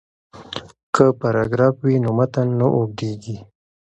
که پاراګراف وي نو متن نه اوږدیږي.